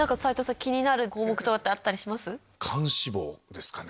気になる項目あったりします？